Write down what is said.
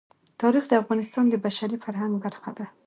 تاریخ د افغانستان د بشري فرهنګ برخه ده.